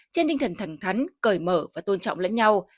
trên tinh thần thẳng thắn cởi mở và tôn trọng lẫn nhau